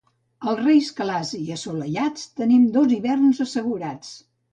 Els Reis clars i assolellats, tenim dos hiverns assegurats.